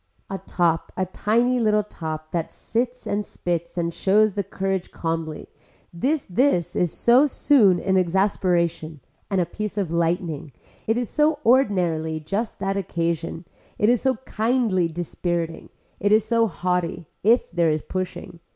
A top a tiny little top that sits and spits and shows the courage calmly, this this is so soon an exasperation and a piece of lightning, it is so ordinarily just that occasion, it is so kindly dispiriting, it is so haughty if there is pushing.